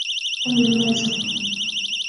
او ملی نئیں سکنے